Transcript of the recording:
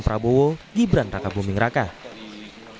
sebelumnya jakan bersatu juga sempat menerima nasionalitas